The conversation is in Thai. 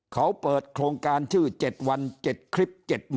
เขาเปิดโครงการชื่อ๗วัน๗คลิป๗๐๐